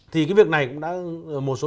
thì cái việc này cũng đã một số